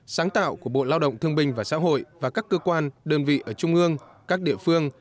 sáng tạo của bộ lao động thương bình và xã hội và các cơ quan đơn vị ở trung ương các địa phương